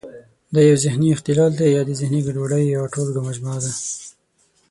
دا یو ذهني اختلال دی یا د ذهني ګډوډیو یوه ټولګه او مجموعه ده.